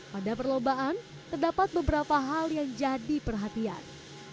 pada perlombaan terdapat beberapa hal yang jadi perhatian